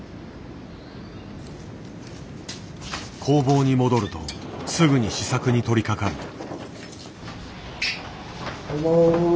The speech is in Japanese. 工房に戻るとすぐに試作に取りかかる。